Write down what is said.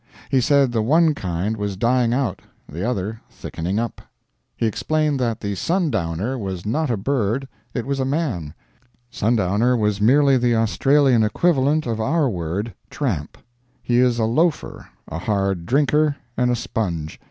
He said the one kind was dying out, the other thickening up. He explained that the "Sundowner" was not a bird it was a man; sundowner was merely the Australian equivalent of our word, tramp. He is a loafer, a hard drinker, and a sponge.